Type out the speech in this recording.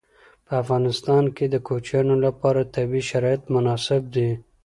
په افغانستان کې د کوچیانو لپاره طبیعي شرایط مناسب دي.